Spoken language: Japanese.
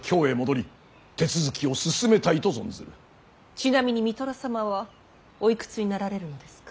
ちなみに三寅様はおいくつになられるのですか。